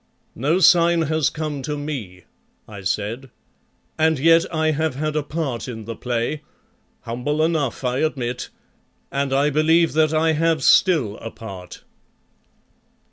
"No sign has come to me," I said, "and yet I have had a part in the play, humble enough, I admit, and I believe that I have still a part."